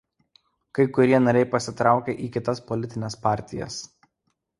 Kai kurie nariai pasitraukė į kitas politines partijas.